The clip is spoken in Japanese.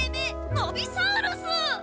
ノビザウルス！